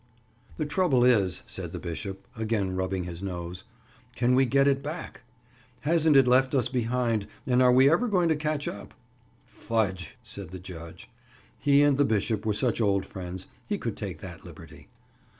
"The trouble is," said the bishop, again rubbing his nose, "can we get it back? Hasn't it left us behind and are we ever going to catch up?" "Fudge!" said the judge. He and the bishop were such old friends, he could take that liberty.